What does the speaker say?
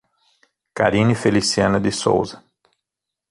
Carine Feliciana de Sousa